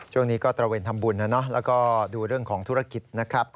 ช่วงนี้ก็ตระเวนทำบุญแล้วก็ดูเรื่องของธุรกิจนะครับ